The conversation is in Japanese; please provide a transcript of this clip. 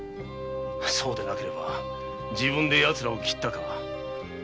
そうでなければ自分でヤツらを斬ったか